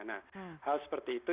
nah hal seperti itu